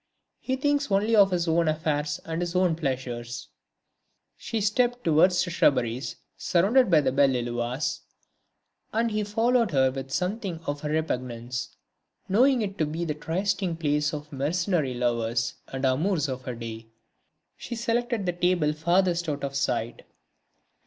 He thinks only of his own affairs and his own pleasures." She stepped towards the shrubberies surrounding the Belle Lilloise, and he followed her with something of repugnance, knowing it to be the trysting place of mercenary lovers and amours of a day. She selected the table furthest out of sight.